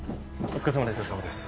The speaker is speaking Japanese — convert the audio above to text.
お疲れさまです